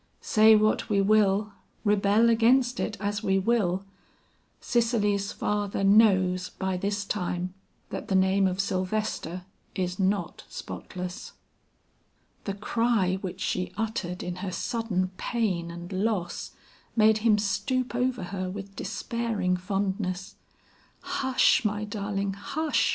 Say what we will, rebel against it as we will, Cicely's father knows by this time that the name of Sylvester is not spotless." The cry which she uttered in her sudden pain and loss made him stoop over her with despairing fondness. "Hush! my darling, hush!"